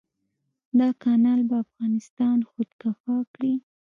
دا کانال به افغانستان خودکفا کړي.